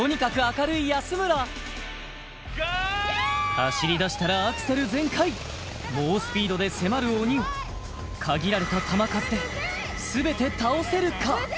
走り出したらアクセル全開猛スピードで迫る鬼を限られた弾数で全て倒せるか？